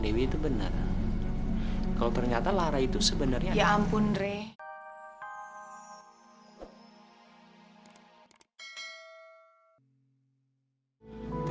dia bawa bayaran banyak banget